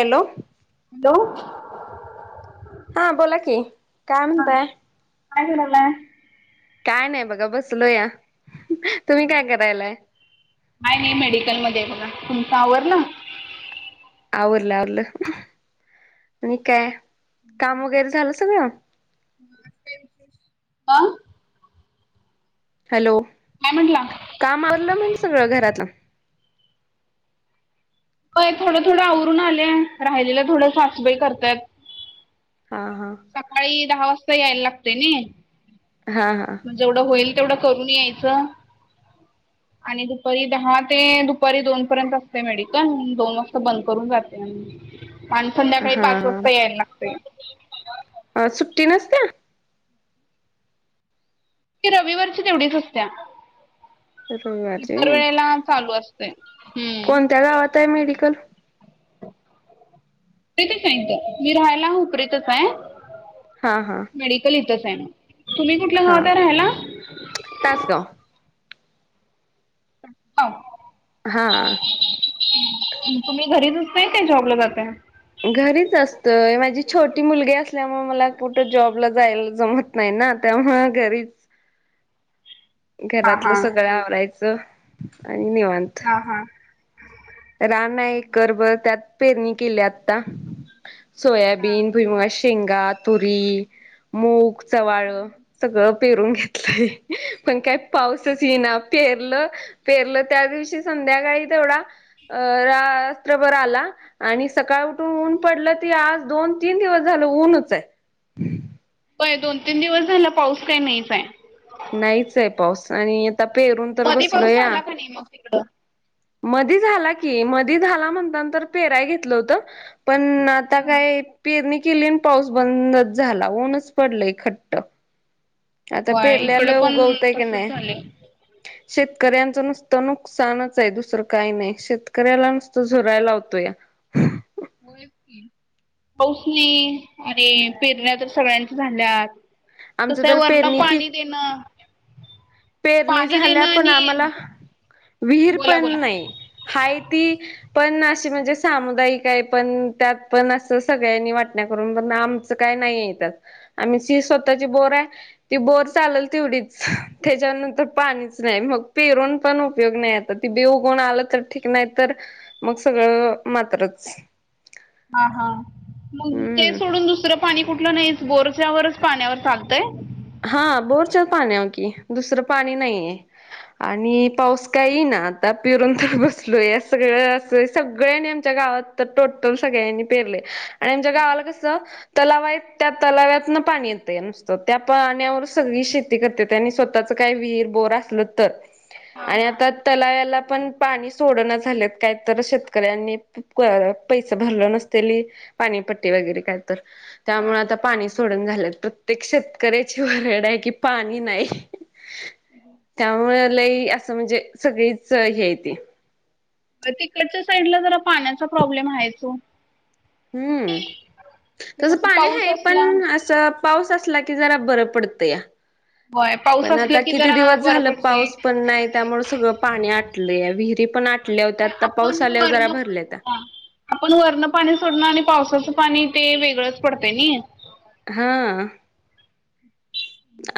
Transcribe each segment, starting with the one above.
Hello hello हा बोला की काय हा म्हणताय? काय करायलाय? काय नाही बघा बसलो या तुम्ही काय करायलाय? नाही नाही मेडिकल मध्ये आहे बघा तुमचा आवरल? आवरलं आवरलं आणि काय काम वगैरे झालं सगळं? का हॅलो काय म्हटला काम आवलं म्हण सगळं घरातलं पय थोडं थोडं आवरून आलेय राहिलेला थोडं सासूबाई करताय. हा हा सकाळी दहा वाजता यायला लागते नाही. हा हां मग जेवढं होईल तेवढं करून यायचं. आणि दुपारी दहा ते दुपारी दोन पर्यंत असते मेडी दोन वाजता बंद करून जाते आणि हा संध्याकाळी पाच वाजता हा. यायला लागते. अ सुट्टी नसत्या. की रविवारची तेवढीच असत्या. रविवारची इतर वेळेला चालू असते हम्म [unintelligible] मेडिकल प्रित सईथ मी राहायला हुप्रितच आहे. हा हां इथच आहे ना तुम्ही कुठलं गावता राहायला? तासगाव हा हां तुम्ही घरीच असताय की जॉबला जाताय? घरीच असतय माझी छोटी मुलगी असल्यामुळे मला कुठं जॉब ला जायला जमत नाही ना त्यामुळं घरीच हां घरातलं हां. सगळं आवरायचं आणि निवांत. ह हां रान आहे करभर त्यात पेरणी केली आता हां. सोयाबीन भीईमुगाच्याशे शेंगा तुरी मूग चवाळ सगळं. पेरून घेतय पण काय पाऊसच ये ना पेर पेरलं त्या दिवशी संध्याकाळी तेवढा अ रात्रभर आला. आणि सकाळ उठून ऊन पडलं ती आज दोन तीन दिवस झालं ऊनच आहे. प दोन तीन दिवस झाला पाऊस काही नाहीच आहे. नाहीच आहे पाऊस आणि आता पेरून तर मध्ये बसलो पाऊस या. झाला का नाही मग तिकडं? मधी झाला की मधी झाला म्हणतान तर पेराय घेतलं होतं. पण आता काय पेरणी किलीन पाऊस बंदच झाला. ऊनच पडलय खट्ट आता होय इकड पेरल्याला पण उगवतय की तसच नाही. झालंय. शेतकऱ्यांचं नुसतं नुकसानच आहे दुसरं काही नाही शेतकऱ्याला नुसतं झरायला लावतो या. पाऊस नाही आणि पेरण्या तर सगळ्यांच्या झाल्यात [unintelligible] आमचं तर वरन पेरणी की पाणी देन पेरणी झाल्या पण आम्हाला आणि विहीर बोला पण बोला. नाही. हाय ती पण अशी म्हणजे सामुदायिक आहे, पण त्यात पण असं सगळ्यांनी वाटण्या करून पण आम च काय नाही ये त्यात. आमची स्वतःची बोर आहे. ती बोर चालेल तेवढीच त्याच्यानंतर पाणीच नाही. मग पेरून पण उपयोग नाही आता ती बे उगण आलं तर ठीक नाही तर मग सगळं मात्रच. हा हा. मग ते हम्म सोडून दुसरं पाणी कुठलं नाहीच. बोरच्यावरच पाण्यावर चालतंय. हा बोर चल पाण्यावर की, दुसरं पाणी नाही आहे. आणि पाऊस काय इना आता पिरून तर बसलो या. सगळं अस सगळनी आमच्या गावात तर टोटल सगळ्यांनी पेरलय आणि आमच्या गावाला कस तलाव आहेत त्या तल्यावातन पाणी येतंय नुसत. त्यात पाण्यावर सगळी शेती करत्याती आणि स्वतःच काही विहीर बोर असलं तर हां, आणि हां. आता तलावल्या पण पाणी सोडण झालेत. कायत शेतकऱ्यांनी पैसे भरलं नसत ली पाणीपट्टी वगैरे काय तर त्यामुळे हां. आता पाणी सोडना झाल्यात. प्रत्येक शेत कऱ्याची वरड आहे कि पाणी नाही. त्यामुळे लई असं म्हणजे सगळीच हे आयती तिकडच्या साईडला जरा पाण्याचा प्रॉब्लेम हायच ओ. हम्म. ते तस कसं पाणी पाऊस हाय असला पण अस च पाऊस असला की जरा बरं पडतया. होय पाऊस पण आता असलं की किती जरा दिवस बरं झालं पडतंय. पाऊस पण नाही. त्यामुळे सगळं पाणी आटलया विहिरी पण आ होय, ल्या होत्या. कसं आता पाऊस आपण आल्यावर जरा वरनं भरल्यात्या हां. आपण वरण पाणी सोडणं आणि पावसाचं पाणी ते वेगळंच पडतं नाही. हा.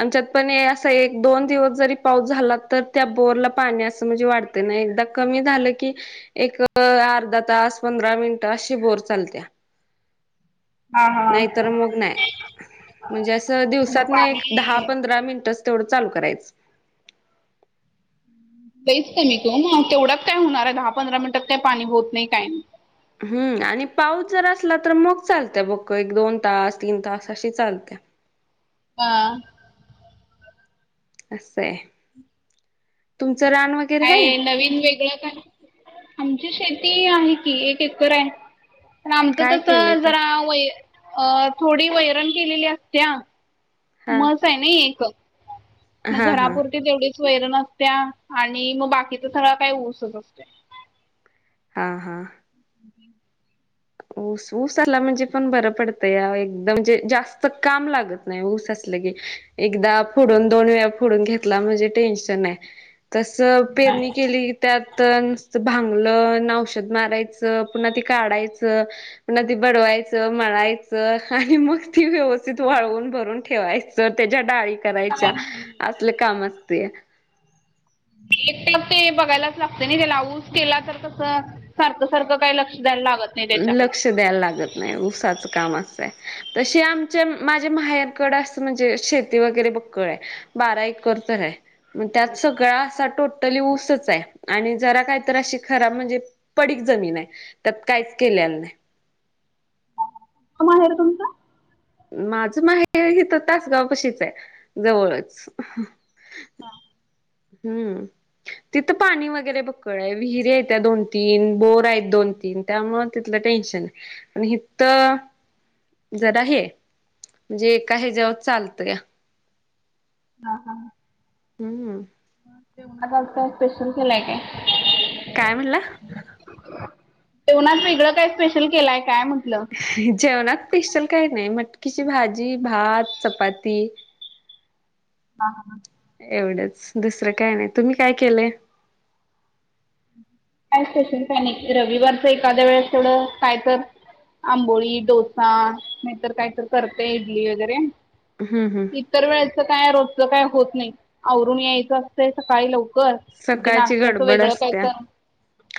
आमच्यात पण ए असा एक दोन दिवस जरी पाऊस झाला तर त्या बोरला पाणी असं म्हणजे वाढत. एकदा कमी झालं की एक अर्धा तास, पंधरा मिनिट अशी बोर चालत्या. हां, नाहीत हां. मग नाही म्हणजे असं मग दिवसात न एक दहा पाणी पंधरा मिनटच तेवढं चालू करायच. लईच कमी की ओ म तेवड्यात काय होणार आहे? दहा, पंधरा मिनिटात काय पाणी होत नाही काय नाही. हम्म आणि पाऊस जर असला तर मग चालत बघ एक, दोन, तास तीन तास अशी चालते. [unintelligible] असय. तुमचं रान व काय नवीन वेगळं काय? आमची शेती आहे की एक एकर आहे. पन आमचं काय कस केलंय तर जरा अ थोडी वैरण केलेली असत्या. हा म्हस आहे नाइ एक. मग हा हा घरापुरती तेवढीच वैर आसत्या आणि मग बाकीचा सगळा काय ऊसच असतोय. हा हा. ऊस ऊसाला म्हणजे पण बरं पडतंय एकदम म्हणजे जास्त काम लागत नाही. ऊस असल की एकदा फोडून दोन वेळा फोडून घेतला म्हणजे टेन्शन नाही. तस पेरणी केली त्यात नुसत भांगलन, औषध मारायच पुन्हा ती काढायच त बडवायच, मळायच आणि मग ती व्यवस्थित वाळवून भरून ठेवायच त्याज्या डाळी करायच्या. असल काम असतया. [unintelligible] ते बघायलाच लागतय ना त्याला ऊस केला तर कसं सारख सारख काय लक्ष द्यायला लागत नाही त्याच्याकडं. लक्ष द्यायला लागत नाही. ऊसाच काम असाय तशी आमच्या माझ्या माहेर कड असं म्हणजे शेती वगैरे बक्कळ आहे बारा एकर तर आहे मग त्यात सगळा असा टोटली ऊसच आहे आणि जरा काहीत अशी खराब म्हणजे पडीक जमीन आहे त्यात काहीच केलेलं नाही क मा आहे र तुमचं माझ माहे हि तर तासगाव पशीच आहे जवळच हम्म तिथं पाणी वगैरे बकळ आहे विहिरी्या आहेत त्या दोन तीन बोर आहेत दोन तीन त्यामुळे तिथलं टेन्शन आहे पण हित जरा हे म्हणजे एका ह्याच्यावर चालतं का हा हा हम्म आज जेवणात आणि काय स्पेशल केलाय काय काय म्हणला जेवनाच वेगळं काय स्पेशल केलाय काय म्हटलं जेवणात पेशल काही नाही मटकीची भाजी भात चपाती हा एवढंच दुसरं काय नाही तुम्ही काय केलं काय स्पेशल काय नाही रविवारचं एखाद्या वेळेस तेवढं काय तर आंबोली डोसा नाहीतर काही तर करते इडली वगैरे हम्म हम् इतर वेळेचं काय रोजच काय होत नाही आवरून यायचं असतंय सकाळी लाऊ कर म्हण ते सकाळची नाश्त्याचं गडबड वेगळं काय असत्या कारण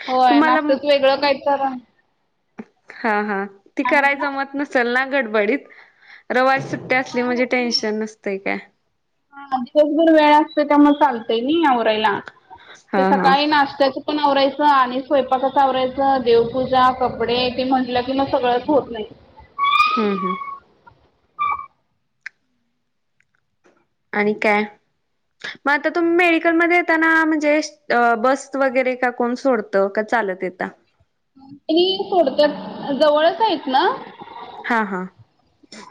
होय तुम्हाला नाश्त्याचं वेगळं काय कारण हा हा ती करायच म्हटला जमत नसेल ना गडबडीत रवाज त्यातली होय म्हणजे होत नाही. टेन्शन नसते काय हा दिवस भर वेळ असते त्या मग चालतय नाही आवरायला ते हा हा सकाळी नाश्त्याच पण आवरायचं आणि स्वयंपाकच आवरायचं देवपूजा कपडे ते म्हटलं की मग सगळंच होत नाही हम् हम् आणि काय मग आता तुम्ही मेडिकलमध्ये येताना म्हणजे बस वगैरे का कोण सोडता का चालत यता आणि सोडत्या जवळच आहेत ना हा हा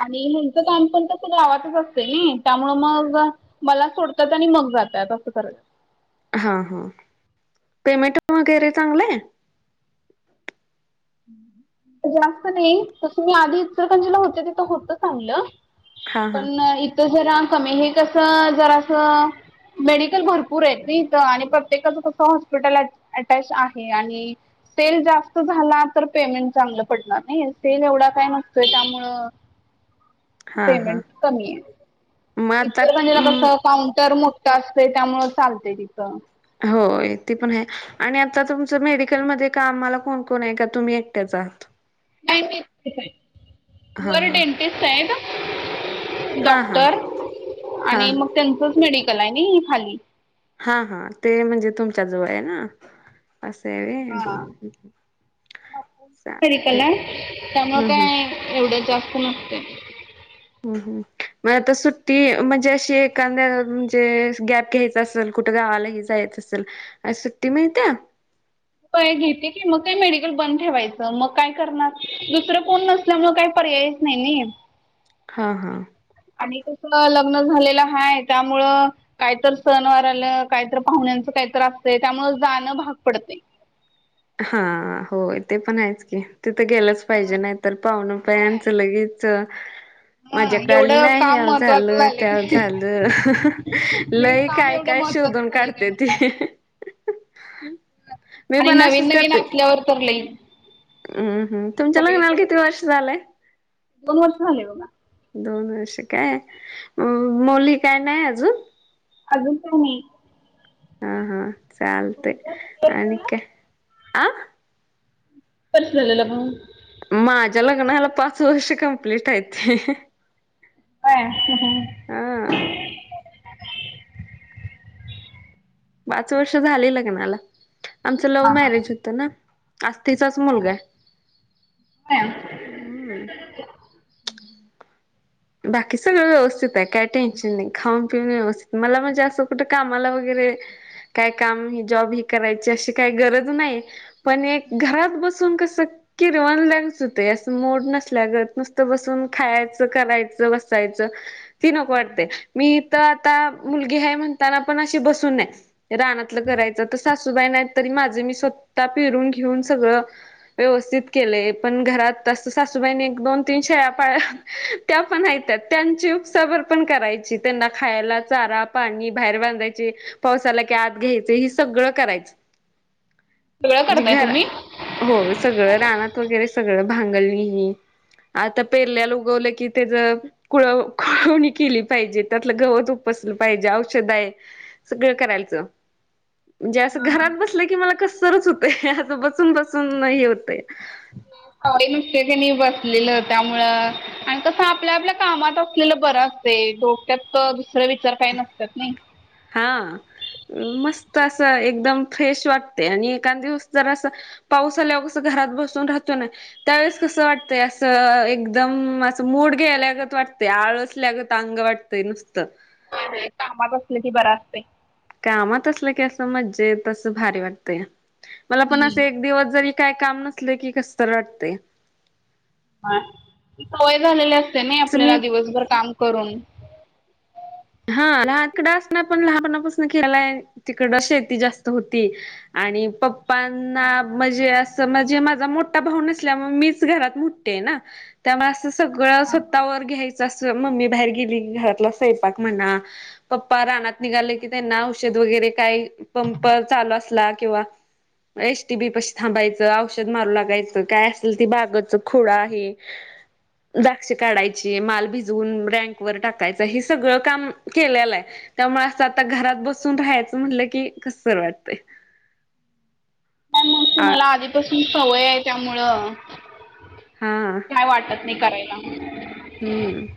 आणि हेंचं काम पण त गावातच असते त्यामु मग मला सोडतात आणि मग जातात असं हा हा पेमेंट वगैरे चांगलं आहे हं जास्त नाही तस मी आधी इचलकरंजीला होते तिथं होत चांगलं हां हां पण इथ जरा कमी हे कसं जरा असं मेडिकल भरपूर आहेत नाहीथ आणि प्रत्येकाचं कसं हॉस्पिटल अटॅच आहे आणि सेल जास्त झाला तर पेमेंट चांगलं पडणार नाही सेल एवढा काय नसतोय त्यामुळं हां हां पेमेंट कमी आहे मग आता इतर म्हजला कस अं काउंटर मोठं असत त्यामुळ चालते तिकं हो ते पण आहे आणि आता तुमचं मेडिकलमध्येध्ये का आम्हाला कोणकण आहे का तुम्ही एकट्याच आहात हां वर हां डेंटिस्ट आहे का हां हां डॉक्टर हां आणि मग त्यांचच मेडिकल आहे ना खाली हा हा ते म्हणजे तुमच्या जवळ आहे ना असे री कल्याण त्यामु हम्म हम्म काय एवढं जास्त नसते हम् हम् मग आता सुट्टी म्हणजे अशी एखदा्या म्हणजे गॅप घ्याय असल कुठं गावालाही जायच असल सुट्टी मिळत्या व्हय घेते की मग काही मेडिकल बंद ठेवायचं मग काय करणार दुसरं कोण नस - असल्या मुळे काही पर्यायच नाही नाही हां हां आणि कस लग्न झालेलं हाय त्यामुळं कायतर सण वार आलं काहीतर पाहुण्यांचं काहीतर असतय त्यामुळ जाणं भाग पडतय हा होय ते पण आहेच की तिथं गेलंच पाहिजे हा नाही तर पाहुण होय पयांचं लगेच च - ह माझ्याक आली एवढं नाही काम ह्यों महत्त्वाचं झालं झालंय त्यों काय झालं नाही लई काम काय एवढं काय महत्त्वाचं शोधून - झालंय काय काढत्याती म्हणतात मी आणि पण नवीन असच [unintelligible] नवीन हम् असल्यावर तर लई हम् तुमच्याला लग्नाला सगळीकडे किती वर्ष झालंय दोन वर्ष झालय बघा दोन वर्ष काय मोली काय नाही अजून अजून काय नई हा हा चालतय तुमचं किती वर्ष आणि झालं काय आ [unintelligible] माझ्या लग्नाला पाच वर्ष कंप्लीट हायत काय हा पाच वर्ष झाली लग्नाला आमचं लव्ह हा हा मॅरेज होतं ना अत्तीचाच मुलगा आहे होय हम्म बाकी सगळं व्यवस्थित आहे काय टेन्शन नाही खाऊन पिऊन व्यवस्थित मला म्हणजे असं कुठं कामाला वगैरे काय काम नाही जॉब ही करायची अशी काही गरज नाही पण एक घरात बसून कसं किरवाणलँगच होते असं मुड नसल्यागत नुसतं बसून खायचं करायचं बसायच ती नको वाटतेय मी तर आता मुलगी हाय म्हणताना पण अशी बसून नाही रानातलं करायचं तर सासूबाई नाहीत तरी माझं मी स्वतः पेरून घेऊन सगळं व्यवस्थित केलय पण घरात तस सासूबाईन एक दोन तीन शेळ्या पाळळ्या - त्या पण हायत्या त्यांची उपसाभर पण करायची त्यांना खायला चारा पाणी बाहेर बांधायची पाऊस आला की आत घ्यायचं ही सगळं करायचं [inaudible] करताय तुम्ही [unintelligible] होय सगळं रानात वगैरे सगळं भांगलणी ही आता पेरल्याला उगवलं की त्याच कुळव कुळवणी केली पाहिजे त्यातलं गवत उपसलं पाहिजे औषध आहे सगळं करायचं म्हणजे असं हा हा घरात बसलं की मला कसतरच होतय असं बसून बसून हे होतय [unintelligible] नुसते कणी बसलेलं त्यामुळ आणि कसं आपल्या आपल्या कामात असलेलं बरं असतय डोक्यात दुसर विचार काही नसत्यात नई हा मस्त असं एकदम फ्रेश वाटतय आणि एकांदिवस जर असं - पाऊस आल्यावर कस घरात बसून राहतो ना त्यावेेळेस कस वाटतय असं एकदम असं मूड गेल्यागत वाटतय आळसल्यागत अंग वाटत - ते नुसतं व्हय कामात असल की बर असतय कामात असलं कि असं मज्जेत असं भारी वाटतयं मला पण हम्म असं एक - दिवस जरी काय काम नसल कि कसं तरी वाटतयं हा ती सवय झालेली असते नई तसं आपल्याला मी दिवसभर काम करून हा लहानकडं असणार [inaudible] पण लहानपणापासून केलाय तिकडं शेती जास्त होती आणि पप - [unintelligible] म्हणजे असं म्हणजे माझा मोठा भाऊ नसल्यामुळे मीचं घरात मोठी हाय ना. त्यामुळे असं सगळं स्वतः वर घ्यायचं असं मम्मी बाहेर गेली घरातला सैपाक म्हणा पप्पा रानात निघाले. की त्यांना औषध वगैरे काही पंप चालू असला किंवा एसटी बी पशी थांबायचं औषध मारू लागायचं काय असेल ती बागाच खोडा हे द्राक्ष काढायची, माल भिजवून रँकवर टाकायचा, हे स सगळं काम केल्यालं हाय? त्यामुळे असं आता घरात बसून राहायचं म्हटलं की, कस तर वाटतंय? म मग आ तुम्हाला आधीपासून सवय हाय त्यामुळं हा आ. काय वाटत नाही करायला? हुंम.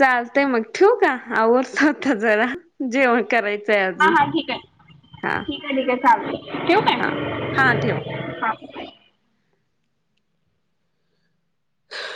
चालतेय मग ठेवु का? आवरतो आता जरा जेवण करायचं. हां हा ठीक हाय ठीक हाय ठीक हाय चालतय ठेवू काय? हां हां ठेवा. हा. ह, [inaudible]